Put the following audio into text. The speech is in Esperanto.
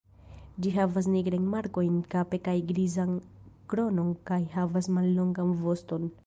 Ĝi havas nigrajn markojn kape kaj grizan kronon kaj havas mallongan voston.